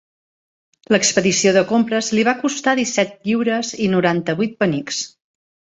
L'expedició de compres li va costar disset lliures i noranta-vuit penics.